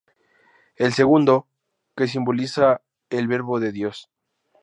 El segundo, que simboliza el Verbo de Dios.